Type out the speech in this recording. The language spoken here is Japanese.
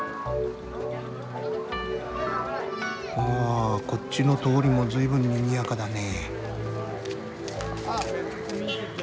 ああこっちの通りも随分にぎやかだね。